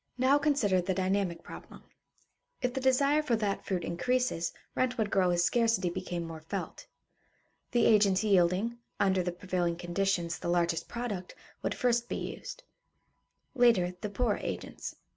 Now consider the dynamic problem. If the desire for that fruit increases, rent would grow as scarcity became more felt. The agents yielding, under the prevailing conditions, the largest product, would first be used; later, the poorer agents.